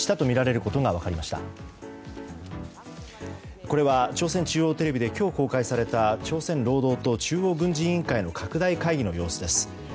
これは朝鮮中央テレビで今日公開された朝鮮労働党中央軍事委員会の拡大会議の様子です。